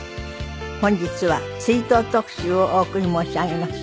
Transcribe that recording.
本日は追悼特集をお送り申し上げます。